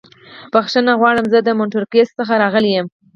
بښنه غواړم. زه د مونټریکس څخه راغلی یم.